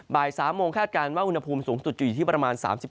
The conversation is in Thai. บ่าย๓โมงคาดการณ์ว่าอุณหภูมิสูงสุดอยู่ที่ประมาณ๓๗องศาเซลเซียส